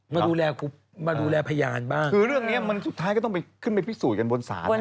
มาดูแลครูมาดูแลพยานบ้างคือเรื่องเนี้ยมันสุดท้ายก็ต้องไปขึ้นไปพิสูจน์กันบนศาล